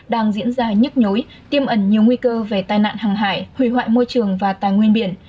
đang diễn ra nhức nhối tiêm ẩn nhiều nguy cơ về tai nạn hàng hải hủy hoại môi trường và tài nguyên biển